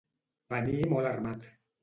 Venir molt armat.